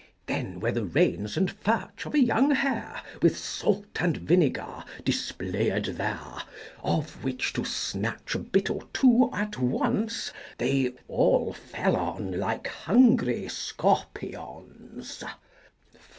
Then were the reins and furch of a young hare, With salt and vinegar, displayed there, Of which to snatch a bit or two at once They all fell on like hungry scorpions.